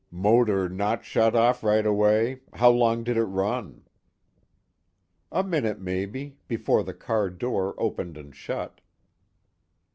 "Motor not shut off right away how long did it run?" "A minute, maybe, before the car door opened and shut."